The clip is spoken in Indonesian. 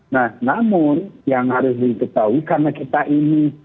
nah namun yang harus diketahui karena kita ini